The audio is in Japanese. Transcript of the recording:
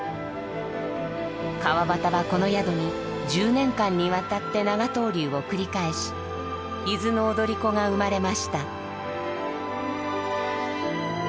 川端はこの宿に１０年間にわたって長逗留を繰り返し「伊豆の踊子」が生まれました。